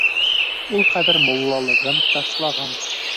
Ул хәҙер муллалығын ташлаған.